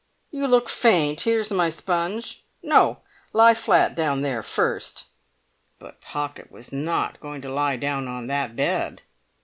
"You look faint. Here's my sponge. No, lie flat down there first!" But Pocket was not going to lie down on that bed.